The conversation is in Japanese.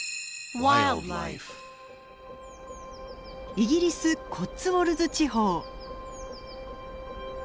イギリス・コッツウォルズ地方。